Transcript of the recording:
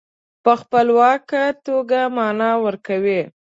په خپلواکه توګه معنا ورکوي.